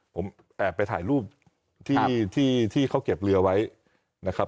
ผมแอบไปถ่ายรูปที่เขาเก็บเรือไว้นะครับ